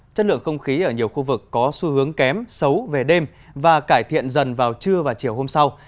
chất lượng không khí ở nhiều khu vực có xu hướng kém xấu về đêm và cải thiện dần vào trưa và chiều hôm sau